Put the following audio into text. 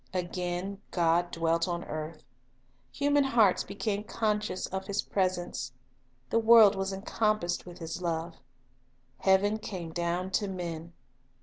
Again God dwelt on earth; human hearts became conscious of His presence; the world was encompassed with His love. Heaven came down to men.